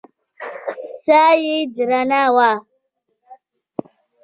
ساه يې درنه وه.